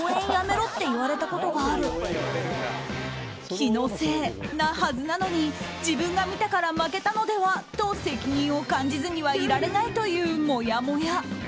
気のせいなはずなのに自分が見たから負けたのではと責任を感じずにはいられないというもやもや。